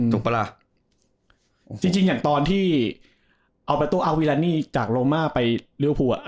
ปะล่ะจริงจริงอย่างตอนที่เอาประตูอาวิรานีจากโลมาไปริวภูอ่ะ